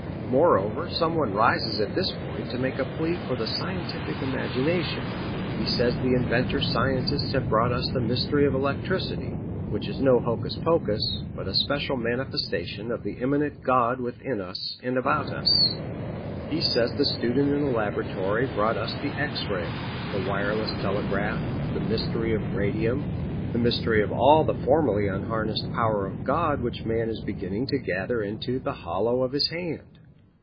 Moreover some one rises at this point to make a plea for the scientific imagination. He says the inventor scientists have brought us the mystery of electricity, which is no hocus pocus, but a special manifestation of the Immanent God within us and about us. He says the student in the laboratory brought us the X ray, the wireless telegraph, the mystery of radium, the mystery of all the formerly unharnessed power of God which man is beginning to gather into the hollow of his hand.